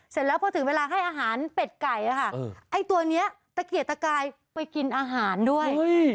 เสร็จแล้วพอถึงเวลาให้อาหารเป็ดไก่ไอ้ตัวนี้ตะเกียดตะกายไปกินอาหารด้วย